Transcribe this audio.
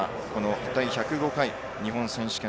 第１０５回日本選手権。